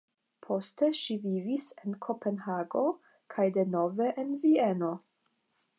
Poste ŝi vivis en Kopenhago kaj denove en Vieno.